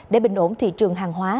để bình ổn thị trường hàng hóa